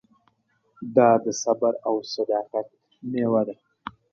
دا د صبر او صداقت مېوه ده.